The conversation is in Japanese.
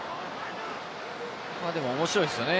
でも面白いですよね。